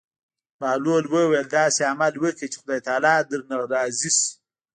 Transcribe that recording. بهلول وویل: داسې عمل وکړه چې خدای تعالی درنه راضي شي.